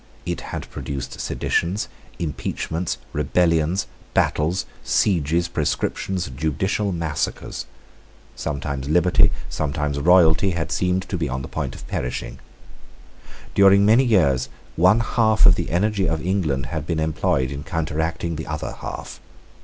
It had produced seditions, impeachments, rebellions, battles, sieges, proscriptions, judicial massacres. Sometimes liberty, sometimes royalty, had seemed to be on the point of perishing. During many years one half of the energy of England had been employed in counteracting the other half.